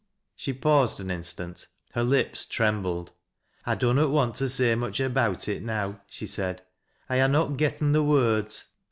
She paused an instant, her lips trembled. " I dunnot want to say much about it now," she fcaid " I ha' not getten th' words.